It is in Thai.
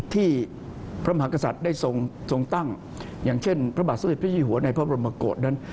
ที่พระมหากษัตริย์ได้ทรงตั้งอย่างเช่นพระบาทสมเด็จพระเจ้าหัวในพระบรมกฏนั้น